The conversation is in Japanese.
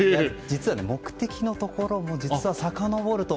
実は目的のところもさかのぼると。